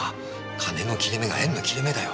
金の切れ目が縁の切れ目だよ。